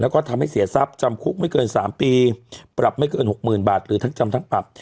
แล้วก็ทำให้เสียทรัพย์จำคุกไม่เกิน๓ปีปรับไม่เกิน๖๐๐๐บาทหรือทั้งจำทั้งปรับ